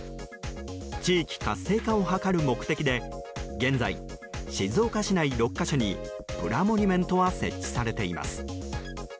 地域活性化を図る目的で現在、静岡市内６か所にプラモニュメントは設置されています。